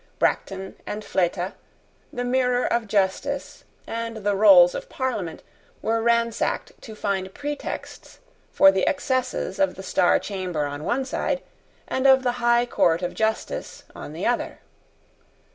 Bracton and Fleta, the Mirror of Justice and the Rolls of Parliament, were ransacked to find pretexts for the excesses of the Star Chamber on one side, and of the High Court of Justice on the other.